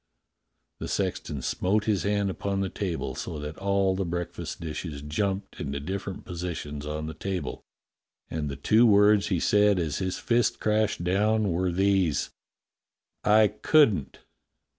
The sexton smote his hand upon the table so that all the break fast dishes jumped into different positions on the table, and the two words he said as his fist crashed down were these: "I couldn't!"